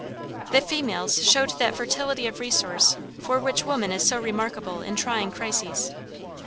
The females showed that fertility of resource for which woman is so remarkable in trying crises.